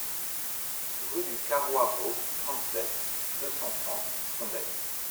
Rue du Carroi Vau, trente-sept, deux cent trente Fondettes